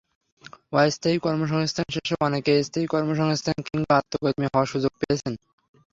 অস্থায়ী কর্মসংস্থান শেষে অনেকে স্থায়ী কর্মসংস্থান কিংবা আত্মকর্মী হওয়ার সুযোগ পেয়েছেন।